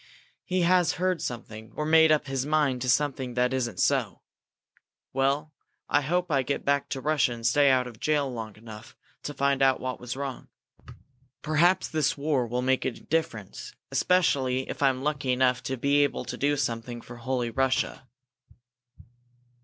"He has heard something, or made up his mind to something that isn't so. Well, I hope I get back to Russia and stay out of jail long enough to find out what was wrong. Perhaps this war will make a difference, especially if I'm lucky enough to be able do something for 'Holy Russia'."